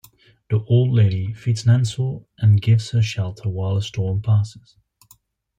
The old lady feeds Nansal and gives her shelter while a storm passes.